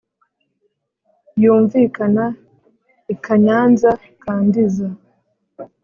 yumvikana i kanyanza ka ndiza